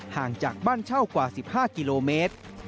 ห่างจากบ้านเช่ากว่า๑๕กิโลเมตร